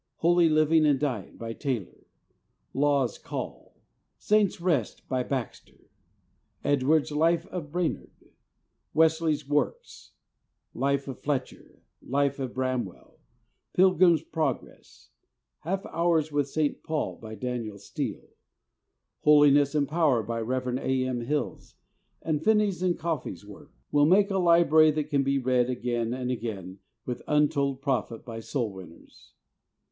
"Holy Living and Dying," by Taylor; "Law's Call," "Saint's Rest," by Baxter; Edwards' "Life of Brainerd," Wesley's works, "Life of Fletcher," "Life of Bram well," "Pilgrim's Progress," "Half Hours with St. Paul," by Daniel Steele; "Holi ness and Power," by Rev. A. M. Hills, and Finney's and Caughey's works will make a library that can be read again and again with untold profit by soul winners.